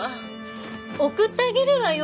送ってあげるわよ。